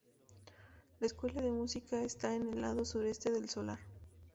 La Escuela de Música está en el lado sureste del solar.